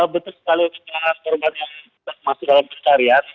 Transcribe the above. betul sekali kita masih dalam pencarian